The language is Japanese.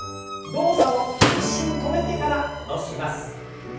動作を一瞬止めてから下ろします。